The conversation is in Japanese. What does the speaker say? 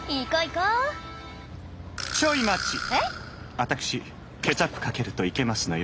あたくしケチャップかけるといけますのよ。